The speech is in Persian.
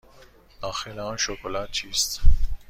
داخل آن شکلات چیست؟